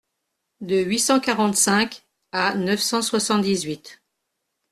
De huit cent quarante-cinq à neuf cent soixante-dix-huit.